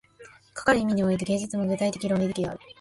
かかる意味において、芸術も具体的論理的である。